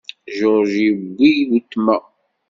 George yiwi wetma.